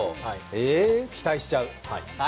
期待しちゃう。